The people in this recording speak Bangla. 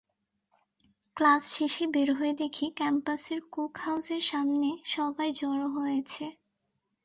ক্লাস শেষে বের হয়ে দেখি ক্যাম্পাসের কুক হাউসের সামনে সবাই জড়ো হয়েছে।